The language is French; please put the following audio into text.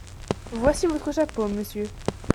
Voici votre chapeau, monsieur.